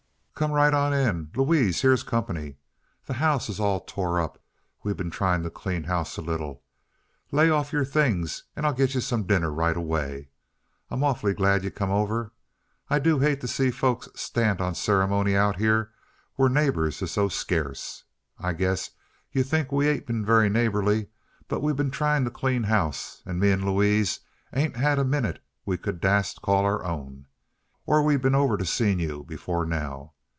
"Come right on in! Louise, here's comp'ny! The house is all tore up we been tryin' t' clean house a little. Lay off yer things an' I'll git yuh some dinner right away. I'm awful glad yuh come over I do hate t' see folks stand on cer'mony out here where neighbors is so skurce. I guess yuh think we ain't been very neighborly, but we been tryin' t' clean house, an' me an' Louise ain't had a minute we could dast call our own, er we'd a been over t' seen yuh before now.